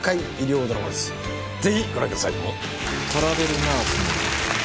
ぜひご覧ください。